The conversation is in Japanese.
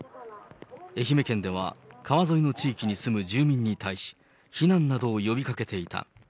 愛媛県では川沿いの地域に住む住民に対し、避難などを呼びかけていた。